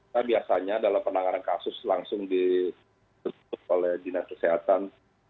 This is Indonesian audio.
karena biasanya dalam penanganan kasus langsung ditutup oleh dinas kesehatan